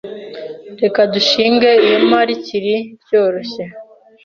Reka dushinge ihema rikiri ryoroshye.